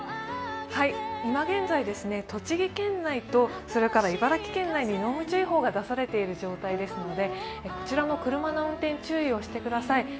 今現在、栃木県内と茨城県内に濃霧注意報が出されている状態ですので、こちらも車の運転、注意をしてください。